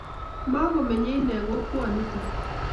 makomenyei enee kokwonito